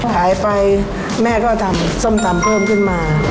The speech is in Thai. ขายไปแม่ก็ทำส้มตำเพิ่มขึ้นมา